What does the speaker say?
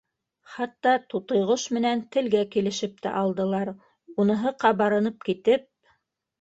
Хатта Тутыйғош менән телгә килешеп тә алдылар, уныһы ҡабарынып китеп: